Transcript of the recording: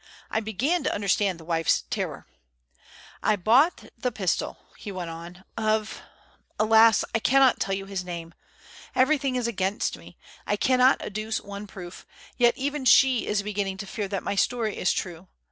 I began to understand the wife's terror. "I bought the pistol," he went on, "of alas! I cannot tell you his name. Everything is against me. I cannot adduce one proof; yet even she is beginning to fear that my story is true.